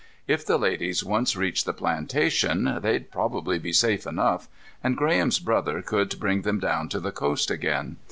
If the ladies once reached the plantation, they'd probably be safe enough, and Graham's brother could bring them down to the coast again.